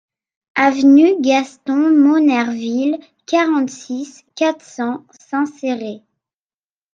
Avenue Gaston Monnerville, quarante-six, quatre cents Saint-Céré